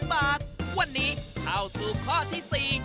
บาทวันนี้เข้าสู่ข้อที่๔